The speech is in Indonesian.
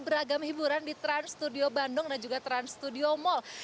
beragam hiburan di trans studio bandung dan juga trans studio mall